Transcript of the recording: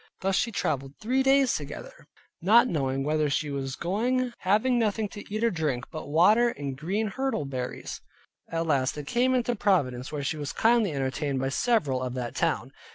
Thus she traveled three days together, not knowing whither she was going; having nothing to eat or drink but water, and green hirtle berries. At last they came into Providence, where she was kindly entertained by several of that town.